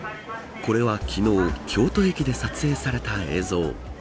これは昨日京都駅で撮影された映像。